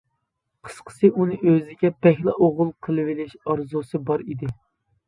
قىسقىسى ئۇنى ئۆزىگە بەكلا ئوغۇل قىلىۋېلىش ئارزۇسى بار ئىدى.